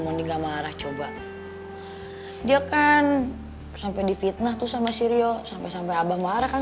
monika marah coba dia kan sampai di fitnah tuh sama syirio sampai sampai abah marahkan